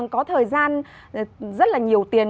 có thời gian rất là nhiều tiền